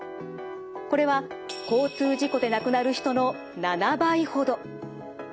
これは交通事故で亡くなる人の７倍ほど。